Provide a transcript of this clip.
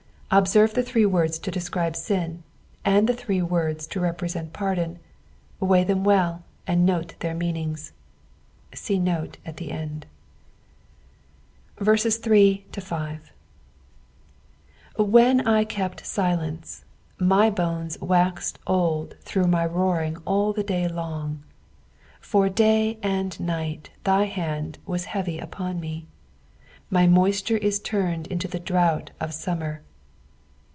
Observe the three words to desciibe sin, and the three words to represent pardon, weigh them well, and note their meanings. (ISee note at the end.) 3 When I kept silence, my bones waxed old through my roaring all the day long. 4 For day and night thy hand was heavy upon me : my moisture is turned into the drought of summer.